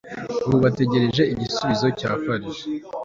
ubu bategereje igisubizo cya farg